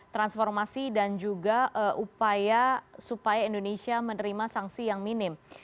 transformasi dan juga upaya supaya indonesia menerima sanksi yang minim